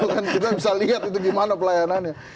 kita bisa lihat itu gimana pelayanannya